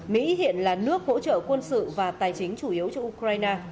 mỹ hiện là nước hỗ trợ quân sự và tài chính chủ yếu cho ukraine